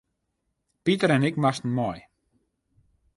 Piter en ik moasten mei.